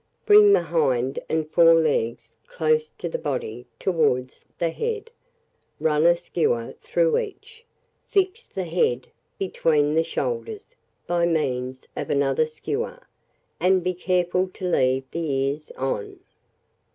Bring the hind and fore legs close to the body towards the head, run a skewer through each, fix the head between the shoulders by means of another skewer, and be careful to leave the ears on.